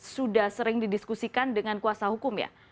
sudah sering didiskusikan dengan kuasa hukum ya